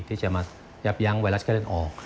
ที่จะมายับยั้งไวรัสไข้เลือดออก